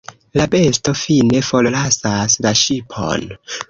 La besto fine forlasas la ŝipon.